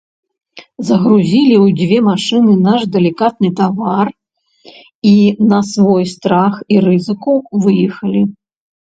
Загрузілі ў дзве машыны наш далікатны тавар і, на свой страх і рызыку, выехалі.